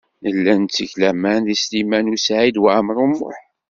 Nella netteg laman deg Sliman U Saɛid Waɛmaṛ U Muḥ.